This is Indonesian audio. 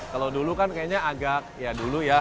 kalau dulu kan kayaknya agak ya dulu ya